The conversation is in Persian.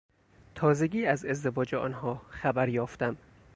تازگی از ازدواج آنها خبر یافتم.